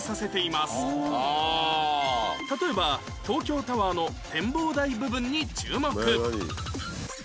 例えば東京タワーの展望台部分に注目